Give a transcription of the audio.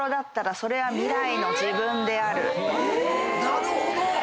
なるほど！